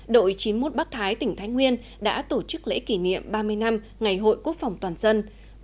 đội chín mươi một bắc thái tỉnh thái nguyên đã tổ chức lễ kỷ niệm ba mươi năm ngày hội quốc phòng toàn dân